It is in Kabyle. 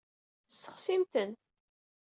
Sexsimt-ten.